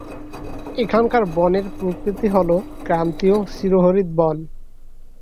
এখানকার বনের প্রকৃতি হলো ক্রান্তীয় চিরহরিৎ বন।